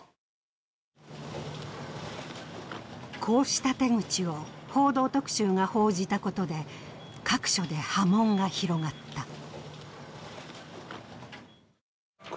こうした手口を「報道特集」が報じたことで各所で波紋が広がった。